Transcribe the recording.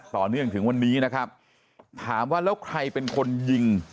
ต่อเนื่องถึงวันนี้นะครับถามว่าแล้วใครเป็นคนยิง